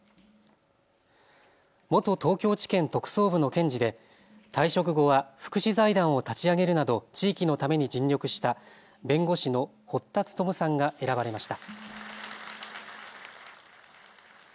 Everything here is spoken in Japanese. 元東京地検特捜部の検事で退職後は福祉財団を立ち上げるなど地域のために尽力した弁護士の堀田力さんが選ばれました。